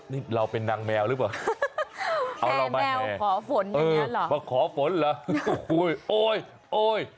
นี่เราเป็นนางแมวหรือเปล่าแมวขอฝนอย่างเนี้ยเหรอเออขอฝนเหรอโอ้ยโอ้ย